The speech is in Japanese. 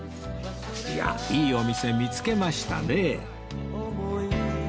いやあいいお店見つけましたね